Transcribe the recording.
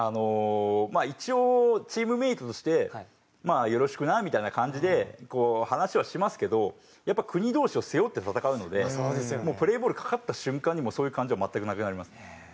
まあ一応チームメートとして「よろしくな」みたいな感じで話はしますけどやっぱ国同士を背負って戦うのでプレーボールかかった瞬間にそういう感情は全くなくなりますね。